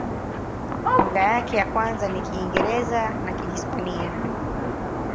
Lugha yake ya kwanza ni Kiingereza na Kihispania.